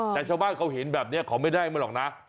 แต่ชาวบ้านเขาเห็นแบบนี้เขาไม่ได้มาหรอกนะ